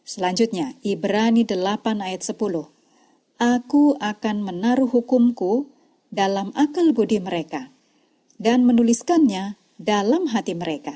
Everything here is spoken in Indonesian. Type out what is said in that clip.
selanjutnya ibrani delapan ayat sepuluh